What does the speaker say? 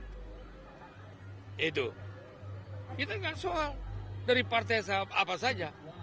kita tidak soal dari partai sahab apa saja